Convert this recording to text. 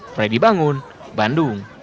fredy bangun bandung